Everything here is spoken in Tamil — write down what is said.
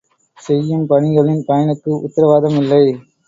செய்யும் பணிகளின் பயனுக்கு உத்தரவாதம் இல்லை!